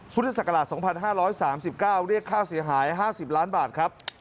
พศ๒๕๓๙เรียกค่าเสียหาย๕๐ล้านบาทครับ